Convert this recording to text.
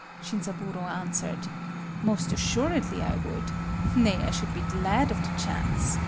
Shinzaburō answered:— "Most assuredly I would—nay, I should be glad of the chance.